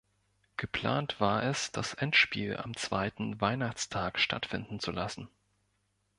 Geplant war es, das Endspiel am zweiten Weihnachtstag stattfinden zu lassen.